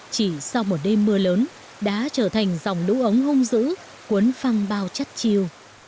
chỉ sau một đêm mưa lớn đá trở thành dòng đũ ống hung dữ cuốn phăng bao chất chiều